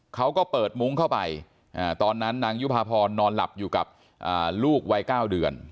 เขาก็เปิดมุ้งเข้าไปตอนนั้นนางยุภาพรนอนหลับอยู่กับลูกวัย๙เดือน